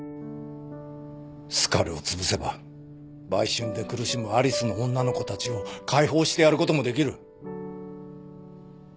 スカルをつぶせば売春で苦しむＡＬＩＣＥの女の子たちを解放してやることもできる。